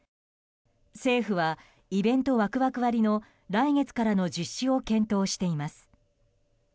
政府はイベントワクワク割の来月からの実施を検討しています。